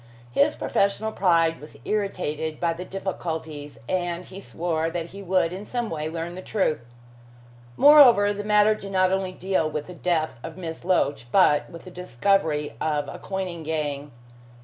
His professional pride was irritated by the difficulties, and he swore that he would in some way learn the truth. Moreover, the matter did not only deal with the death of Miss Loach, but with the discovery of a coining gang.